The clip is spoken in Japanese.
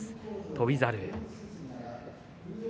翔猿。